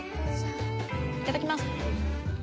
いただきます。